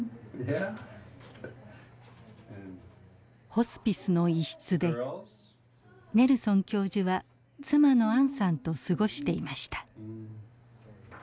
ホスピスの一室でネルソン教授は妻のアンさんと過ごしていました。